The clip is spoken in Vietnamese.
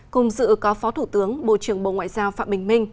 cùng dự có phó thủ tướng bộ trưởng bộ ngoại giao phạm bình minh